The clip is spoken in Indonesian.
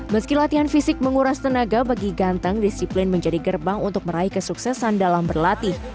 meski latihan fisik menguras tenaga bagi ganteng disiplin menjadi gerbang untuk meraih kesuksesan dalam berlatih